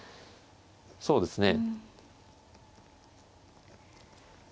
そうですね。